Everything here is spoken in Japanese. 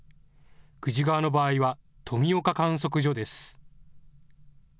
久慈川の場合は富岡観測所です。